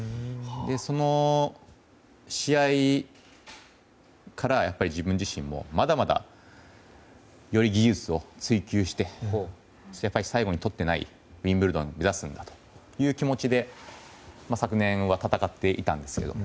その試合から自分自身もまだまだより技術を追求して最後にとっていないウィンブルドンを目指すんだという気持ちで昨年は戦っていたんですけど